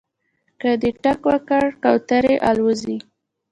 که دې ټک وکړ کوترې الوځي